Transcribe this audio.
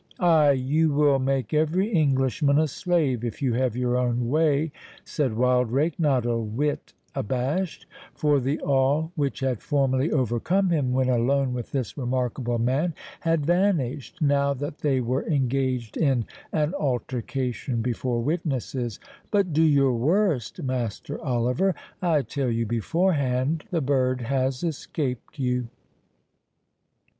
"Ay, you will make every Englishman a slave, if you have your own way," said Wildrake, not a whit abashed;—for the awe which had formerly overcome him when alone with this remarkable man, had vanished, now that they were engaged in an altercation before witnesses.—"But do your worst, Master Oliver; I tell you beforehand, the bird has escaped you."